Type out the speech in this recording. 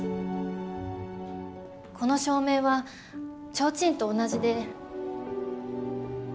この照明は提灯と同じで。